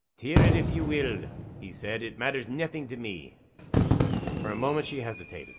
"Tear it if ye will," he said. "It matters naething to me." For a moment she hesitated.